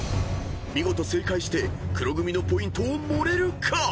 ［見事正解して黒組のポイントを盛れるか⁉］